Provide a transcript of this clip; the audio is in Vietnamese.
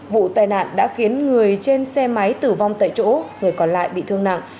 vụ tai nạn đã khiến người trên xe máy tử vong tại chỗ người còn lại bị thương nặng